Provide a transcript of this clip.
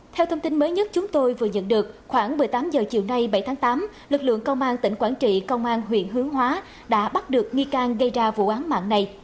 theo thông tin mới nhất chúng tôi vừa nhận được khoảng một mươi tám h chiều nay bảy tháng tám lực lượng công an tỉnh quảng trị công an huyện hướng hóa đã bắt được nghi can gây ra vụ án mạng này